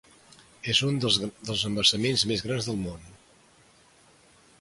És un dels embassaments més grans del món.